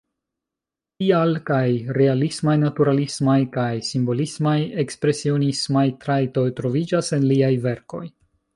Tial kaj realismaj-naturalismaj kaj simbolismaj-ekspresionismaj trajtoj troviĝas en liaj verkoj.